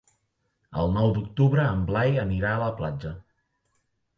El nou d'octubre en Blai anirà a la platja.